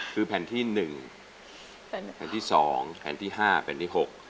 คือแผ่นที่๑แผ่นที่๒แผ่นที่๕แผ่นที่๖